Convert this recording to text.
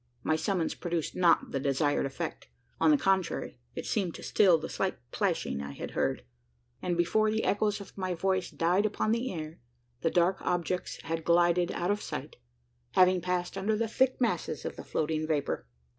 My summons produced not the desired effect. On the contrary, it seemed to still the slight plashing I had heard; and, before the echoes of my voice died upon the air, the dark objects had glided out of sight having passed under thick masses of the floating vapour.